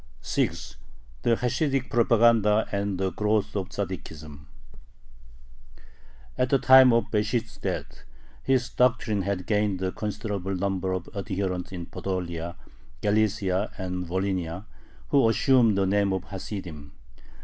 6. THE HASIDIC PROPAGANDA AND THE GROWTH OF TZADDIKISM At the time of Besht's death, his doctrine had gained a considerable number of adherents in Podolia, Galicia, and Volhynia, who assumed the name Hasidim.